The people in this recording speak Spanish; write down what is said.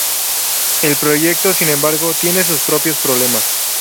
El proyecto, sin embargo, tiene sus propios problemas.